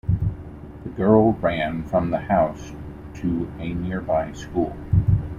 The girl ran from the house to a nearby school.